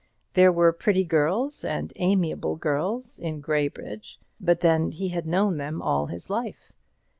There were pretty girls, and amiable girls, in Graybridge: but then he had known them all his life.